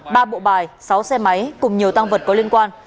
ba bộ bài sáu xe máy cùng nhiều tăng vật có liên quan